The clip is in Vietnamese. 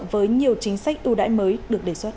với nhiều chính sách ưu đãi mới được đề xuất